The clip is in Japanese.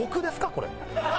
これ。